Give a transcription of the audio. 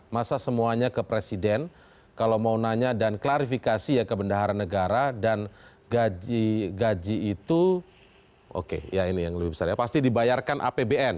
masa semuanya ke presiden kalau mau nanya dan klarifikasi ya ke bendahara negara dan gaji itu oke ya ini yang lebih besar ya pasti dibayarkan apbn